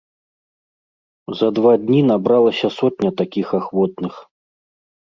За два дні набралася сотня такіх ахвотных.